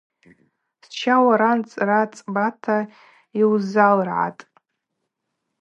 Сща уара нцӏра цӏбата йузалыргӏатӏ!